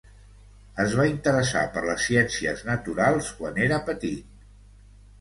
Es va interessar per les ciències naturals quan era petit.